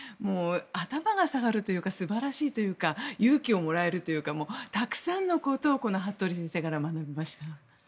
頭が下がるというか素晴らしいというか勇気をもらえるというかたくさんのことをこの服部先生から学びました。